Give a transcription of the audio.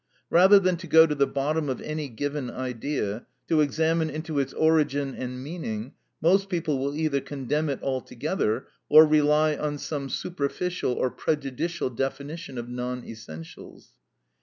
Rather than to go to the bottom of any given idea, to examine into its origin and meaning, most people will either condemn it altogether, or rely on some superficial or prejudicial definition of non essentials.